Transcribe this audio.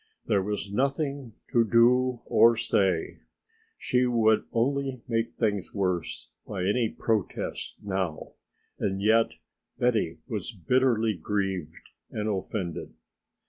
There was nothing to do or say, she would only make things worse by any protest now, and yet Betty was bitterly grieved and offended.